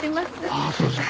ああそうですか。